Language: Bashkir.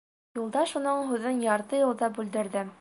Юлдаш уның һүҙен ярты юлда бүлдерҙе: